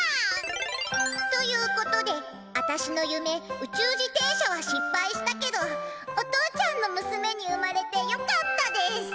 「ということであたしのゆめ宇宙自転車はしっぱいしたけどお父ちゃんのむすめに生まれてよかったです！」。